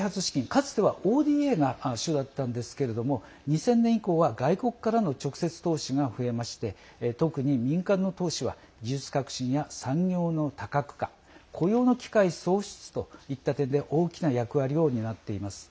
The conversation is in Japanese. かつてはＯＤＡが主だったんですが２０００年以降は外国からの直接投資が増えまして、特に民間の投資は技術革新や産業の多角化雇用の機会創出といった点で大きな役割を担っています。